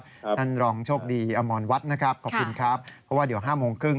ท่านรองโชคดีอมรวัฒน์นะครับขอบคุณครับเพราะว่าเดี๋ยวห้าโมงครึ่ง